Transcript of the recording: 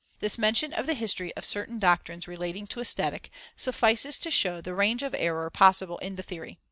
This mention of the history of certain doctrines relating to Aesthetic suffices to show the range of error possible in the theory.